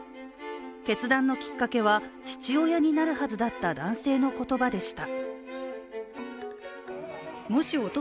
決断のきっかけは、父親になるはずだった男性の言葉でした。